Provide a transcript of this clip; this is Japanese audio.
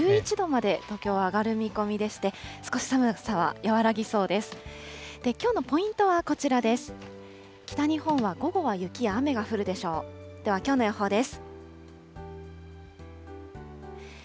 ではきょうの予報です。